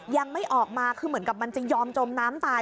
ยังไม่ออกมาคือเหมือนกับมันจะยอมจมน้ำตาย